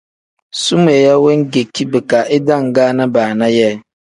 Sumeeya wengeki bika idangaana baana yee.